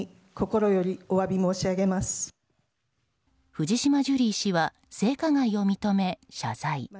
藤島ジュリー氏は性加害を認め、謝罪。